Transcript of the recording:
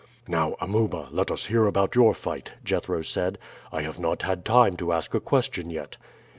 "Now, Amuba, let us hear about your fight," Jethro said. "I have not had time to ask a question yet."